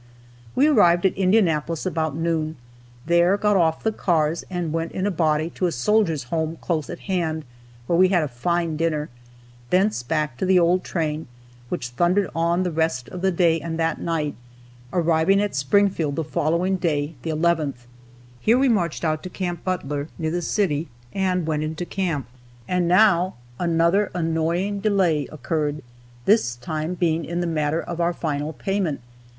We arrived at Indianapolis about noon, there got off the cars and went in a body to a Soldiers' Home close at hand, where we had a fine dinner; thence back to the old train, which thundered on the rest of the day and that night, arriving at Springfield the following day, the 11th. Here we marched out to Camp Butler, near the city, and went into camp. And now another annoying delay occurred, this time being in the matter of our final payment.